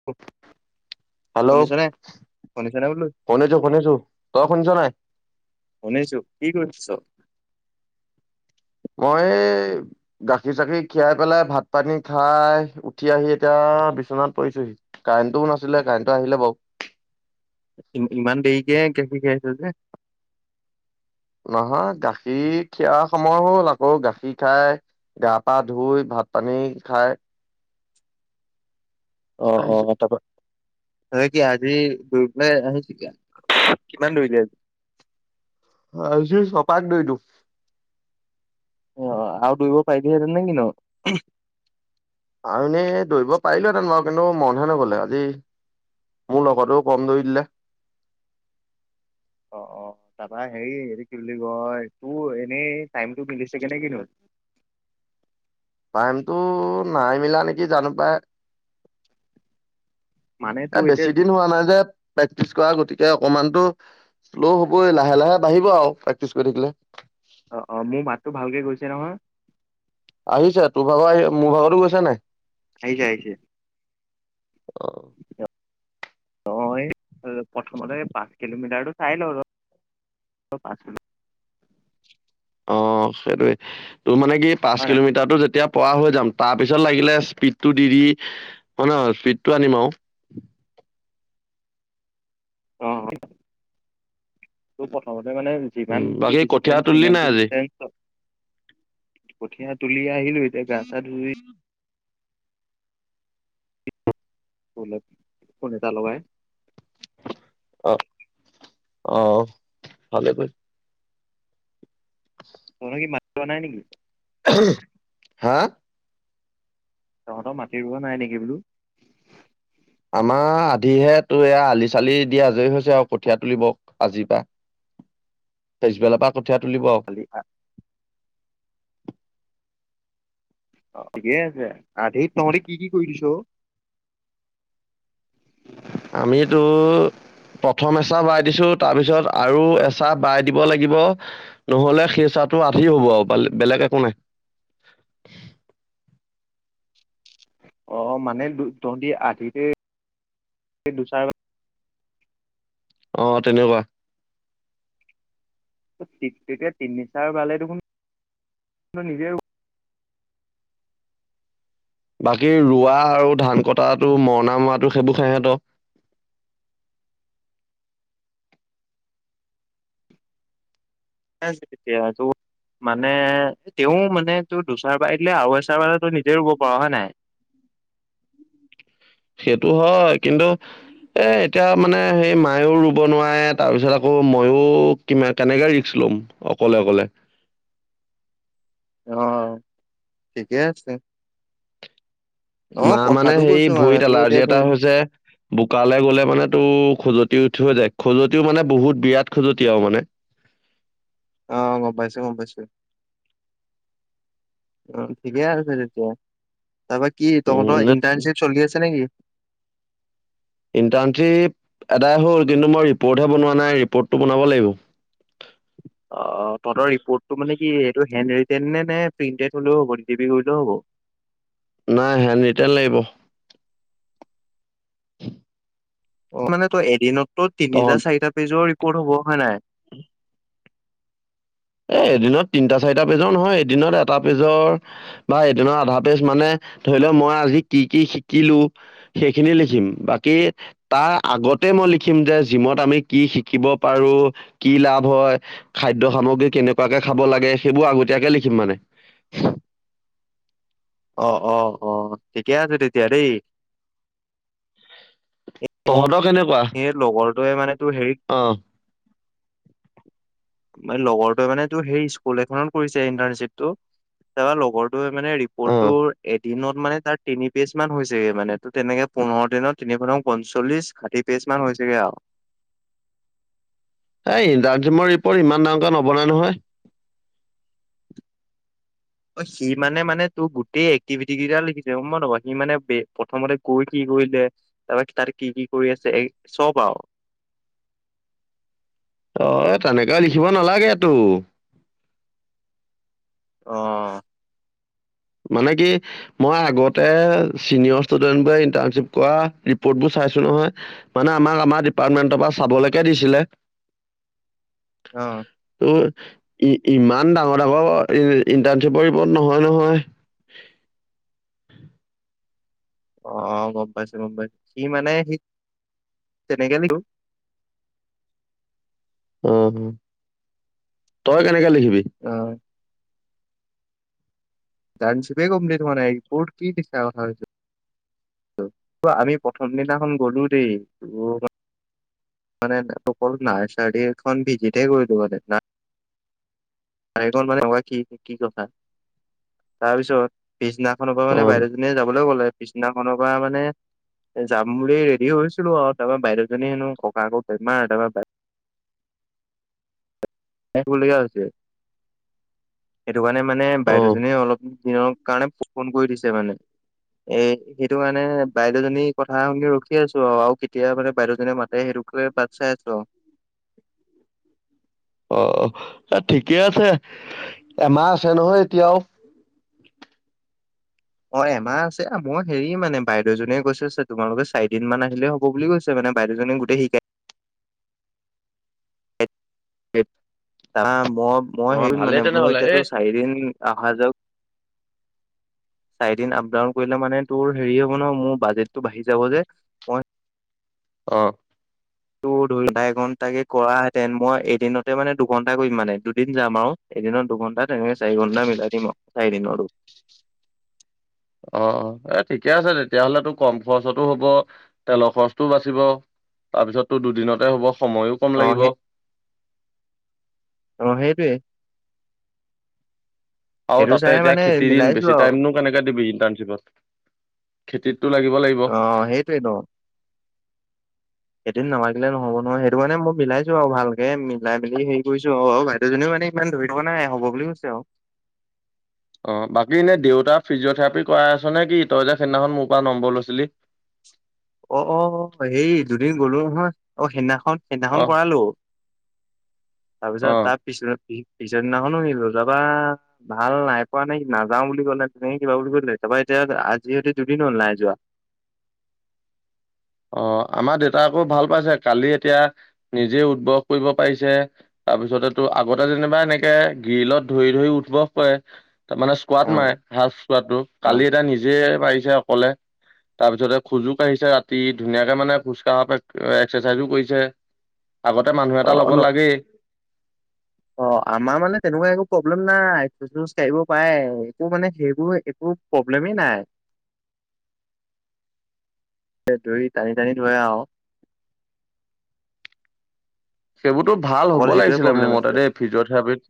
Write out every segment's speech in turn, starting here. [unintelligible] Hello শুনিছনে শুনিছনে বোলো শুনিছো শুনিছো তই শুনিছ নাই? শুনিছো। কি কৰিছ? মই এই - গাখীৰ চাখী খীৰাই পেলাই ভাত পানী খাই উঠি আহি এতিয়া বিচনাত পৰিছোহি। কাৰেণ্টটোও নাছিলে কাৰেণ্টটো আহিলে বাও। ইমান দেৰিকে গাখীৰ খিৰাইছ যে? নহয় গাখীৰ খিয়া সময় হ'ল, আকৌ গাখীৰ খাই গা পা ধুই ভাত পানী খাই - অ অ আহিছো তা পা তই কি আজি [unintelligible] কিমান দৌৰিলি আজি আজিও ছপাক দিলো। অ অ, আৰু দৌৰিব পাৰিবিহেঁতেন নে কিনো? আৰু এনেই দৌৰিব পাৰিলোহেতেন বাৰু কিন্তু মনহে নগলে আজি - মোৰ লগতোও কম দৌৰি দিলে। অ অ তাৰাপা হেৰি হেৰি কি বুলি কয় তোৰ এনেই টাইমটো মিলিছেগে নে কিনো? টাইমটো নাই মিলা নেকি, জানো পাই! মানে এ তোৰ এতিয়া বেছি দিন যি- হোৱা নাই যে - প্ৰেক্টিচ কৰা গতিকে অকমানটো শ্লো' হবই লাহে লাহে বাঢ়িব আৰু প্ৰেক্টিচ কৰি থাকিলে। অ অ মোৰ মাতটো ভালকে গৈছে নহয়? আহিছে তোৰ ভাগৰ আহি মোৰ ভাগতো গৈছে নাই? আহিছে আহিছে। [unintelligible] অ এই প্ৰথমতে পাঁচ কিলোমিটাৰটো চাই লওঁ ৰ, পাচ কিলো অ সেইটোৱে, তোৰ মানে কি হয় পাঁচ নাই? কিলোমিটাৰটো যেতিয়া পৰা হৈ যাম তাৰ পিছত লাগিলে স্পীডটো দি দি হয় ন স্পীডটো আনিম আও অ অ। তো প্ৰথমতে মানে উম যিমানটো বাকী কঠীয়া ডিচটেন্স তুলিলি নাই সিমানটো আজি ডিচটেন্সত কঠীয়া তুলি আহিলো, এতিয়া গা চা ধুই তোলে, ফোন এটা লগাই অ, অ অ ভালেই কৰি- [unintelligible] তহঁতে কি মাটি ৰুৱা নাই নেকি? হা? তহঁতৰ মাটি ৰুৱা নাই নেকি বোলো? আমাৰ আধিহে, তোৰ এইয়া আলি চালি দিয়া আজৰি হৈছে আও কঠীয়া তুলিব আজিৰ পা, পিছবেলাৰ পা কঠিয়া তুলিব আও [unintelligible] অ অ ঠিকেই আছে, আধিত তহঁতি কি কি কৰি দিছ অ? আমি তো প্ৰথম এচাহ বাই দিছো তাৰপিছত আৰু এচাহ বাই দিব লাগিব - নহলে সেই চাহটো আধি হ'ব আও বেলেগ একো নাই অ মানে তহতি আধিতে দুচাৰ অ তেনেকুৱা তেতিয়া তিনিচাৰ বালে দেখোন নিজে বাকী ৰোৱা আৰু ধান কটাটো মৰণা মৰাটো সেইবোৰ সেহেতৰ তিয়া যো মানে তেওঁ মানে তোৰ দুচাৰ বাই দিলে আৰু এচাৰ বালৈ তই নিজে ৰুব পাৰ হয় নে নাই সেইটো হয় কিন্তু এ এতিয়া মানে সেই মাইও ৰুব নোৱাৰে তাৰপিছত আকৌ ময়ো কি কেনেকে ৰিক্স ল'ম অকলে অকলে অ ঠিকেই আছে অ মা মানে কথাটো হেই কৈছো মানে ভৰিত তোৰ এতিয়া এলাৰ্জি এটা ধৰি ল হৈছে বোকালে গ'লে মানে তো খজুৱতি উঠৈ যায় খজুৱতিও মানে বহুত বিৰাট খজুৱতি আৰু মানে অ গম পাইছো গম পাইছো অ ঠিকে আছে তেতিয়া তাৰপৰা কি উম নে তহঁতৰ ইণ্টাৰ্ণশ্বিপ চলি আছে নেকি ইণ্টাৰ্ণশ্বিপ এদাই হ'ল কিন্তু মই ৰিপৰ্টহে বনোৱা নাই ৰিপৰ্টটো বনাব লাগিব অ তহতৰ ৰিপৰ্টটো মানে কি এইটো হেণ্ড ৰিটেন নে নে প্ৰিণ্টেড হলেও হ'ব ডিটিপি কৰিলেও হ'ব নাই হেণ্ড ৰিটেন লাগিব [inaudible] অ মানে তই এদিনতো তিনিটা তহঁত চাৰিটা পেজৰ ৰিপৰ্ট হ'ব হয় নাই [inaudible] এ এদিনত তিনটা চাৰিটা পেজৰ নহয় এদিনত এটা পেজৰ বা এদিনত আধা পেজৰ মানে ধৰি ল মই আজি কি কি শিকিলো সেইখিনি লিখিম বাকী তাৰ আগতে মই লিখিম যে জিমত আমি কি শিকিব পাৰো কি লাভ হয় খাদ্য সামগ্ৰী কেনেকুৱাকে খাব লাগে সেইবোৰ আগতীয়াকে লিখিম মানে অ অ অ ঠিকে আছে তেতিয়া দেই মই তহঁতৰ কেনেকুৱা সেই লগৰটোৱে মানে তোৰ হেৰিত অ লগৰটোৱে মানে তো হেই স্কুল এখনত কৰিছে ইন্টাৰনশ্বিপটো তাৰপা লগৰ তই মানে অ ৰিপৰ্টটো এ দিনত মানে তাৰ তিনি পিচ মান হৈছেগে মানে ত তেনেকে পোন্ধৰ দিনত তিনি মানৰ পঞ্চল্লিশ ষাঠি পেচ মান হৈছেগে আৰু এই ইণ্টাৰনশ্বিপৰ ৰিপৰ্ট ইমান ডাঙকে নবনাই নহয় অ সি মানে মানে তোৰ গোটেই এক্টিভিটি কেইটা লিখিছে মই নক সি মানে প্ৰথমতে গৈ কি কৰিলে তাৰপৰা তাৰে কি কি কৰি আছে চব আৰু অ তেনেকে লিখিব নালাগে তো অ মানে কি মই আগতে চিনিয়ৰ ষ্টোডেতবোৰে ইণ্টাৰনশ্বিপ কৰা ৰিপৰ্ট বোৰ চাইছো নহয় মানে আমাক আমাৰ ডিপাৰ্টমেন্টৰ পৰা চাবলেকে দিছিলে অ ত ই ইমান ডাঙৰ ডাঙৰ ইণ্টাৰ্ণশ্বিপৰ ৰিপৰ্ট নহয় নহয় অ গম পাইছো গম পাইছো সি মানে সি তেনেকে লো অ তই কেনেকে লিখিবি অ ইণ্টাৰনশ্বিপে কম্পিলিত হোৱা নাই ৰিপৰ্ট কি লিখা কথা কৈছে ত' আমি প্ৰথম দিনাখন গ'লো দেই, ত' মা- মানে অকলো নাৰ চাৰী এখন ভিজিটে কৰিলো মানে না- মানে কি কি কথা তাৰপিছত, - পিছদিনাখনৰ পৰা মানে অঁ বাইদেউ জনীয়ে যাবলৈ ক'লে, পিছদিনাখনৰ পৰা মানে- যাম বুলি ৰেডি হৈছিলো আও তাপা বাইদেউজনী হেনো ককায়েক বেমাৰ তাপা- থাকিবলগিয়া হৈছে, সেইটো কাৰণে মানে বাইদেউ অঁ জনিয়ে অলপ- দিনৰ কাৰণে ফোন কৰি দিছে মানে। এ সেইটো কাৰনে বাইদেউজনী কথা শুনি ৰখি আছো আও আও কেতিয়া মানে বাইদেউ জনীয়ে মাত- তে সেইটোকে বাত চাই আছো আও। অ অ, এ ঠিকে আছে এমাহ আছে নহয় এতিয়াও। অঁ এমাহ আছে মই হেৰি মানে বাইদেউজনীয়ে কৈছেছে তোমালোকে চাৰিদিন মান আহিলে হ'ব বুলি কৈছে। মানে বাইদেউজনিয়ে গোটেই শিকায়- তা মই মই অঁ হেৰি ভালেই মানে মোৰ তেনেহ'লে এই এতিয়াতো চাৰিদিন- অহা যাওক। চাৰিদিন আপ ডাউন কৰিলে মানে তোৰ হেৰি হব ন মোৰ বাজেটটো বাঢ়ি যাব যে। মই অঁ' টো ধৰি ডা এঘন্টাকে কৰা হেতেন মই এদিনতে মানে দুঘন্টা কৰিম মানে দুদিন যাম আও। এদিনত দুঘণ্টা তেনেকে চাৰি ঘণ্টা মিলাই দিম চাৰিদিনৰটো। অঁ অঁ এই ঠিকে আছে তেতিয়াহলেতো কম খৰচতো হব তেলৰ খৰচটোও বাচিব। তাৰপিছততো দুদিনতে হব, সময়ো কম অ লাগিব। সেই অঁ' সেইটোৱেই। আও তাতে এতিয়া খেতি দিন বেছি টাইমনো কেনেকে দিবি ইণ্টাৰণশ্বিপত। খেতিতটো লাগিব লাগিব। অঁ' সেইটোৱে ন। এদিন নামাগিলে নহ'ব নহয়, সেইটো মানে মই মিলাইছো আৰু ভালকে মিলাই মিলি হেৰি কৰিছো আও। দুজনীও মানে ইমান ধৰি থকা নাই হ'ব বুলি কৈছে আও। অঁ' বাকী এনে দেউতা ফিজিঅথেৰাপি কৰাই আছ নে কি তই যে সেইদিনাখন মোৰ পৰা নম্বৰ লৈছিলি। অ অ' হেই দুদিন গলো নহয়, অ সেইদিনাখন। সেইদিনাখন অ কৰালো, তাৰপিছত অ তাৰ পিছনা- পিছা দিনাখনো নিলো, তাপা- ভাল নাই পোৱা নাই নাযাও বুলি ক'লে, তেনেকে কিবা বুলি কৈদিলে তাপা এতিয়া আজি হিঁতি দুদিন হ'ল নাই যোৱা। অঁ' আমা দেউতা আকৌ ভাল পাইছে। কালি এতিয়া নিজে উদ বহ কৰিব পাৰিছে। তাৰপিছতে তো আগতে যেনিবা এনেকে গ্ৰীলত ধৰি ধৰি উঠবহ কৰে তাৰ মানে- কোৱাত নাই। সাজ পৰাটো কালি এটা নিজে পাৰিছে অকলে তাৰপিছতে খোজো কাঢ়িছে ৰাত- তি ধুনীয়াকে মানে খোজকাঢ় এক্সাৰচাইজো কৰিছে আগতে মানুহ এটা লগত লাগেই। অঁ, আমা মানে তেনেকুৱা একো প্ৰব্লেম নাই খোজ চোজ কাঢ়িব পাৰে। একো মানে সেইবোৰ একো- প্ৰব্লেমেই নাই। তে ধৰি টানি টানি ধৰে আও। সেইবোটো ভাল হ'ব অকল সেইটোৱে লাগিছিলে মোৰ প্ৰব্লেম মতে আছিলে দেই ফিজিঅথেৰাপিত।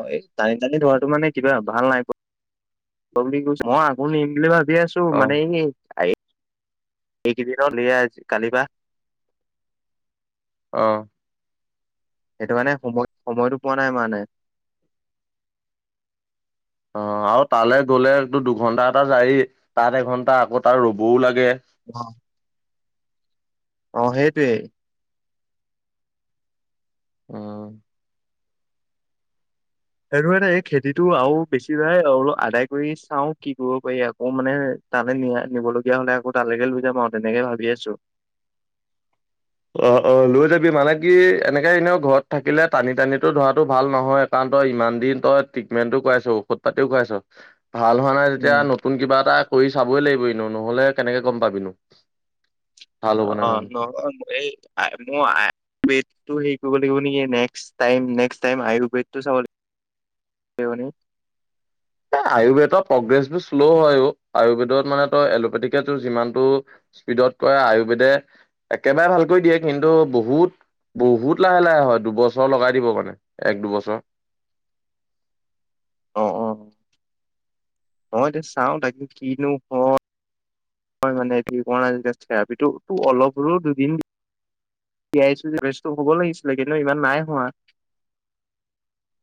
অঁ' এই টানি টানি ধৰাটো মানে কিবা ভাল নাই পোৱা। বুলি কৈছো, মই আকৌ নিম বুলি ভাবিয়ে আছোঁ। ছো মানে অ'। এই এইকেইদনৰ কালিপা। অঁ' সেইটো কাৰনে সময় সময়টো পোৱা নাই মানে। অ আৰু তালৈ গ'লে টো দুঘন্টা এটা যায় এই তাত এঘন্টা আকৌ তাত ৰবও লাগে। অহ। অ সেইটোয়েই। অহ। সেইটো কানে এই খেতিটো আৰু বেছি ভাই অল আদায় কৰি চাও কি কৰিব পাৰি আকৌ মানে তালৈ নিয়া নিবলগীয়া হলে আকৌ তালৈকে লৈ যাম আৰু তেনেকে ভাবি আছোঁ। অ অ লৈ যাবি মানে কি এনেকে এনেও ঘৰত থাকিলে টানি টানি টো ধৰা ভাল নহয়। তই ইমান দিন তই ট্ৰিটমেণ্টটো কৰাইছ ঔষধ পাতিও খুৱাইছ ভাল হোৱা নাই যেতিয়া উম। নতুন কিবা এটা কৰি চাবই লাগিব এনিও নহলে কেনেকে গম পাবিনো।। ভাল হ'ব নে অ নহয় মই এই মই পেটটো সেই কৰিব লাগিব নেকি নেক্স টাইম নেক্সট টাইম আয়ুৰ্বেটো চাব লাগিব। [unintelligible] আয়ুৰ্বেদৰ প্ৰগ্ৰেছ বোৰ শ্ল' হয়ও আয়ুৰ্বেদত মানে তই এলোপেথিকোৰ যিমানটো স্পীডত কৈ আয়ুৰ্বেদে একেবাৰে ভালকৈ দিয়ে কিন্তু বহুত বহুত লাহে লাহে হয় দুবছৰ লগাই দিব মানে এক দুবছৰ অ অ অ এতিয়া চাও তাকে কিনো হয়। হয় মানে ঠিক হোৱা নাই যেতিয়া থৰাপিটো অলপ হলো দুদিন এইয়া বেস্তটো হ'ব লাগি ছিলে কিন্তু ইমান নাই হোৱা।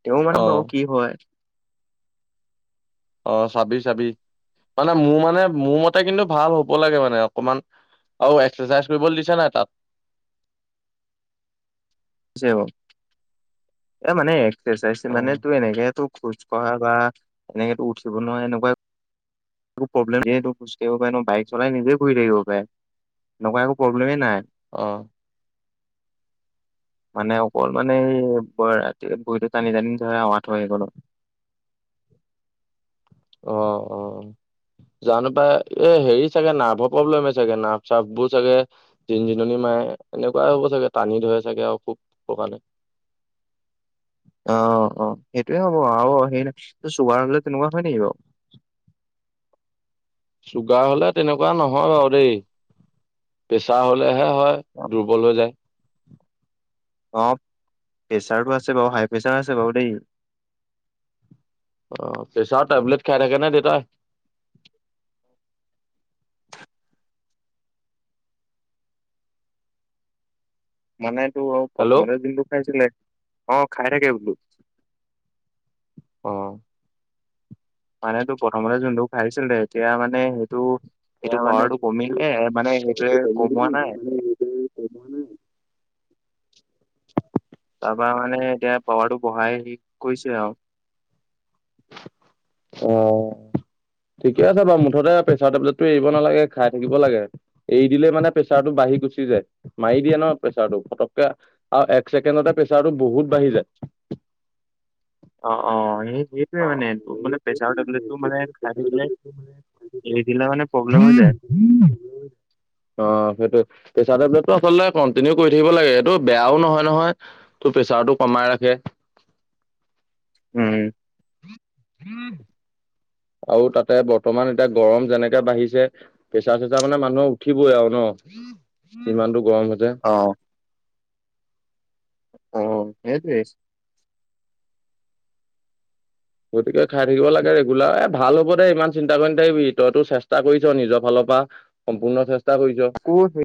তেওঁ মানে অ বাৰু কি হয়। অ চাবি চাবি মানে মোৰ মানে মোৰ মতে কিন্তু ভাল হব লাগে মানে অকমান অ এক্সাৰচাইজ কৰিব দিছে নাই তাত? দিছে বাৰু, এ মানে এক্সাৰচাইজ মানে অ', তোৰ এনেকে ত খোজ কঢ়া বা এনেকেতো উঠিব নহয় এনেকুৱা একো প্ৰব্লেমটো খোজ কাঢ়িব পাৰে ন বাইক চলাই নিজে কৰি থাকিব পাৰে এনেকুৱা একো প্ৰব্লেমেই নাই। অ। [inaudible] মানে অকল মানে এই ৰাতি ভৰিটো টানি টানি ধৰে আঠুৱা হেৰি খনত। অ অ। জানো পাই এ হেৰি চাগে নাৰ্ভৰ প্ৰব্লেম চাগে নাৰ্ভ চাৰ্ভবোৰ চাগে জিন জিননি মাৰে এনেকুৱাই হ'ব চাগে টানি ধৰে চাগে আৰু খুব প্ৰকাৰণে। অ অ সেইটোয়ে হ'ব আৰু সে নাই চোগাৰ নলে তেনেকুৱা হয় নেকি বাৰু? চুগাৰ হলে তেনেকুৱা নহয় বাৰু দেই। প্ৰেছাৰ হ'লেহে হয় দুৰ্বল হৈ যায়। অ প্ৰেচাৰটো আছে বাৰু হাই প্ৰেচাৰ আছে বাৰু দেই। অ প্ৰেছাৰ টেবলেট খাই থাকে নাই দেউতাই? মানে টো হেল্ল' প্ৰথমতে যোনটো খাইছিলে অ খাই থাকে বোলো। অ মানেটো প্ৰথমতে যোনটো খাইছিল এতিয়া মানে সেইটো সেইটো এয়া মানে পাৱাৰটো কমিলে মানে সেইটোয়ে কমোৱা নাই। তাৰপা মানে এতিয়া পাৱাৰটো বঢ়াই হে কৰিছে আৰু। অ ঠিকে আছে বাৰু মুঠতে প্ৰেচাৰ টেবলেটটো এৰিব নালাগে, খাই থাকিব লাগে। এৰি দিলে মানে প্ৰেছাৰটো বাঢ়ি গুচি যায়। মাৰি দিয়ে ন প্ৰেছাৰটো পটককে আৰু এক ছেকেণ্ডতে প্ৰেচাৰটো বহুত বাঢ়ি যায়। অ অ হয় নেকি এইটোৱে মানে, মানে প্ৰেছাৰ টেবলেটটো মানে খাই থাকিলে, এৰি দিলে মানে প্ৰব্লেম হৈ যায়। উ [inaudible] অ', সেইটো প্ৰেচাৰ টেবলেটটো আচলতে কন্টিনিউ কৰি থাকিব লাগে, এইটো বেয়াও নহয়, নহয়। টো প্ৰেছাৰটো কমাই ৰাখে। উম। হম। আৰু তাতে বৰ্তমান এতিয়া গৰম যেনেকে বাঢ়িছে প্ৰেচাৰ চেচাৰ মানে মানুহৰ উঠিবই আৰু ন, যিমানটো গৰম হৈছে। অহ। অহ' সেইটোৱে। গতিকে খাই থাকিব লাগে ৰেগুলাৰ, এ ভাল হ'ব দেই ইমান চিন্তা কৰি থাকিবি, তইটো চেষ্টা কৰিছ নিজৰ ফালৰ পা। সম্পূৰ্ণ চেষ্টা কৰিছ। ক'ত হে।